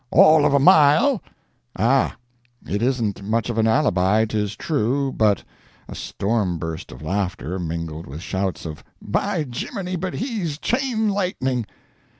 "All of a mile!" "Ah. It isn't much of an alibi, 'tis true, but " A storm burst of laughter, mingled with shouts of "By jiminy, but he's chain lightning!"